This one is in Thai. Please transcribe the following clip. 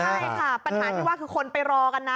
ใช่ค่ะปัญหาที่ว่าคือคนไปรอกันนะ